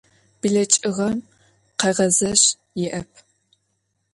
Bleç'ığem kheğezej yi'ep.